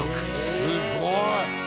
すごい！